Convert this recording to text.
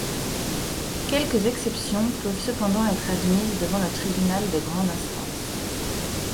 Quelques exceptions peuvent cependant être admises devant le tribunal de grande instance.